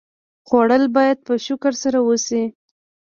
خوړل باید په شکر سره وشي